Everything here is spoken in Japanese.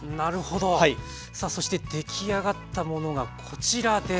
さあそして出来上がったものがこちらです。